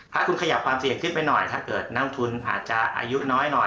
ถ้าคุณขยับความเสี่ยงขึ้นไปหน่อยถ้าเกิดนั่งทุนอาจจะอายุน้อยหน่อย